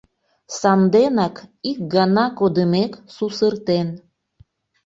Санденак, ик гана кодымек сусыртен